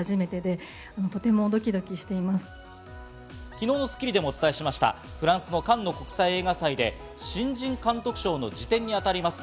昨日の『スッキリ』でもお伝えしました、フランスのカンヌ国際映画祭で新人監督賞の次点にあたります